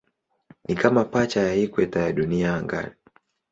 Ni kama pacha ya ikweta ya Dunia angani.